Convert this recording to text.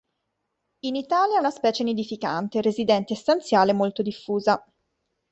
In Italia è una specie nidificante, residente e stanziale molto diffusa.